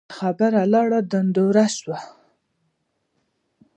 خبره لاړه ډنډوره سوه